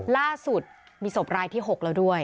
ล่าสุดมีศพรายที่๖แล้วด้วย